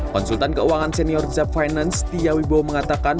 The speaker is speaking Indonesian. konsultan keuangan senior zab finance tiawibo mengatakan